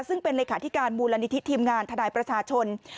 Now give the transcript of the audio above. ซึ่งเป็นเลขาธิการมูลนิธิทีมงานทนายประชาชน